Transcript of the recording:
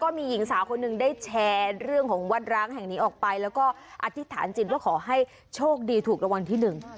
มีหญิงสาวคนหนึ่งได้แชร์เรื่องของวัดร้างแห่งนี้ออกไปแล้วก็อธิษฐานจิตว่าขอให้โชคดีถูกรางวัลที่หนึ่ง